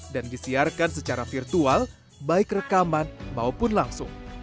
dan disiarkan secara virtual baik rekaman maupun langsung